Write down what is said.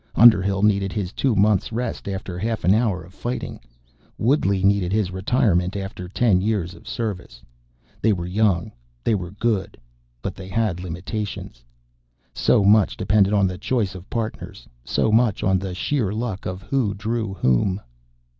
Underhill needed his two months' rest after half an hour of fighting. Woodley needed his retirement after ten years of service. They were young. They were good. But they had limitations. So much depended on the choice of Partners, so much on the sheer luck of who drew whom.